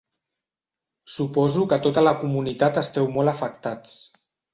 Suposo que tota la comunitat esteu molt afectats.